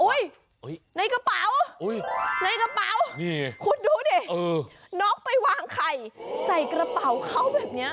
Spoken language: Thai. โอ้ยในกระเป๋าคุณดูหน่อยนกไปวางไข่ใส่กระเป๋าเขาแบบนี้